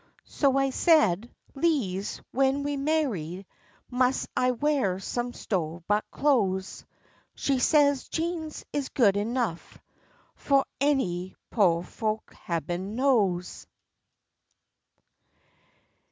So I said, "Lize, w'en we marry, mus' I weah some sto' bought clo'es?" She says, "Jeans is good enough fu' any po' folks, heaben knows!"